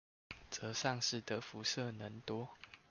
則喪失的輻射能多